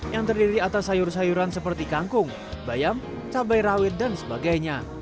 yang terdiri atas sayur sayuran seperti kangkung bayam cabai rawit dan sebagainya